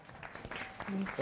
こんにちは。